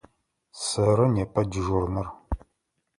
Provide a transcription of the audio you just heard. Сэры непэ дежурнэр.